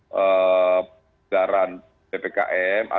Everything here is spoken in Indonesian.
jadi kita harus mengambil langkah kemudian